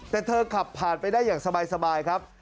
แต่เธอขับผ่านไปได้อย่างสบายครับ